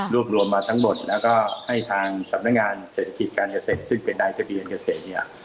รวมรวมมาทั้งหมดแล้วก็ให้ทางสำนักงานเศรษฐกิจการเกษตรซึ่งเป็นนายทะเบียนเกษตรเนี่ย